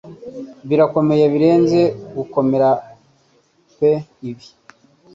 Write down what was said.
Birakomeye birenze gukomera pe ibi